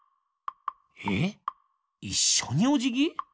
えっいっしょにおじぎ！？